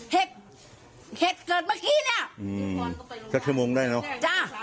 เห็ดเกิดเมื่อกี้เนี้ยอืมสักชั่วโมงได้เนอะจ้ะ